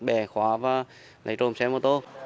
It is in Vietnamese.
bẻ khóa và lấy xe đi